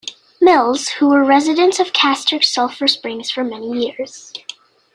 Mills, who were residents of Castor Sulfur Springs for many years.